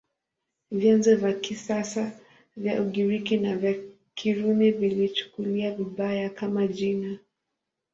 Vyanzo vya kisasa vya Ugiriki na vya Kirumi viliichukulia vibaya, kama jina.